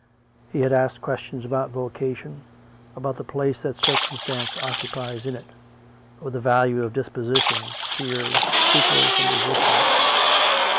He had asked questions about vocation, about the place that circumstance occupies in it, of the value of dispositions, fears, scruples, and resistance.